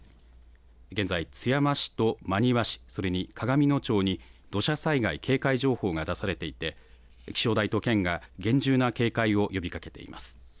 現在、津山市と真庭市、それに鏡野町に土砂災害警戒情報が出されていて、気象台と県が厳重な警戒を呼びかけています。